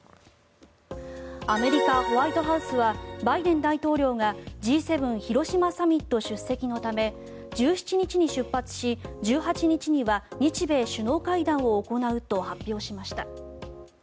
アメリカ・ホワイトハウスはバイデン大統領がＧ７広島サミット出席のため１７日に出発し１８日には日米首脳会談を行うと発表しました。